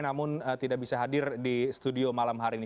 namun tidak bisa hadir di studio malam hari ini